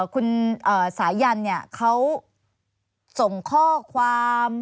คุณสายันเขาส่งข้อความ